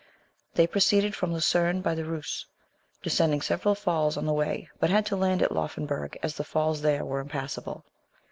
They proceeded from Lucerne by the Reuss, descending several falls on the way, but had to land at Loffenberg as the falls there were impassable.